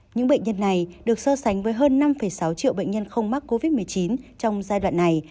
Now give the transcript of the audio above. những bệnh nhân này được so sánh với hơn năm sáu triệu bệnh nhân không mắc covid một mươi chín trong giai đoạn này